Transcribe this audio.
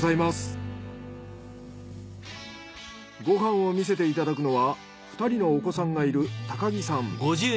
ご飯を見せていただくのは２人のお子さんがいる木さん。